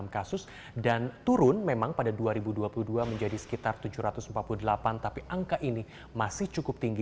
enam kasus dan turun memang pada dua ribu dua puluh dua menjadi sekitar tujuh ratus empat puluh delapan tapi angka ini masih cukup tinggi